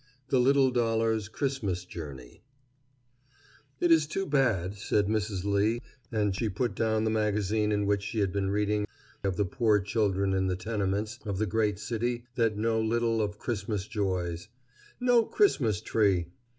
THE LITTLE DOLLAR'S CHRISTMAS JOURNEY "It is too bad," said Mrs. Lee, and she put down the magazine in which she had been reading of the poor children in the tenements of the great city that know little of Christmas joys; "no Christmas tree!